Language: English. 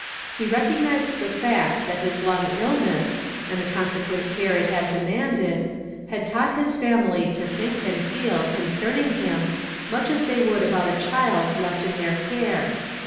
He recognized the fact that his long illness, and the consequent care it had demanded, had taught liis family to thiidc and feel concerning him much as tli.'y would about a child left in their care.